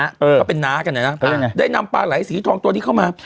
เขาเป็นน้ากันนะได้นำปลาไหลสีทองตัวนี้เข้ามา